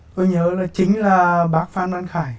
tôi nhớ là chính là bác phan văn khải